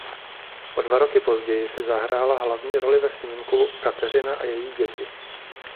O dva roky později si zahrála hlavní roli ve snímku "Kateřina a její děti".